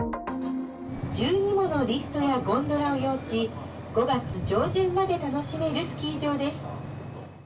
１２ものリフトやゴンドラを擁し、５月上旬まで楽しめるスキー場です。